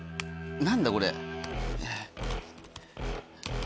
何だこれ。